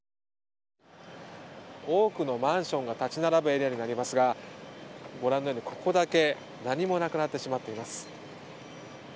多くのマンションが立ち並ぶエリアになりますがここだけ何もなくなってしまっています。